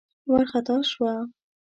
وار خطا شوه.